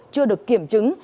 chưa được kiểm chứng